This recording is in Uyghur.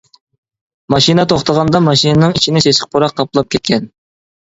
ماشىنا توختىغاندا ماشىنىنىڭ ئىچىنى سېسىق پۇراق قاپلاپ كەتكەن.